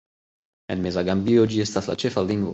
En meza Gambio ĝi estas la ĉefa lingvo.